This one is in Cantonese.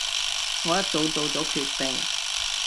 我一早做咗決定